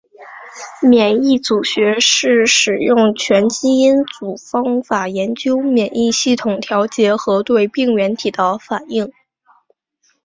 免疫组学是使用全基因组方法研究免疫系统调节和对病原体的反应。